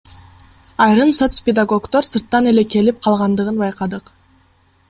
Айрым соцпедагогдор сырттан эле келип калгандыгын байкадык.